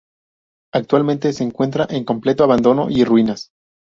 Actualmente se encuentra en completo abandono y ruinas.